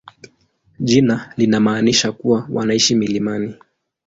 Jina linamaanisha kuwa wanaishi milimani.